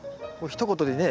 ひと言でね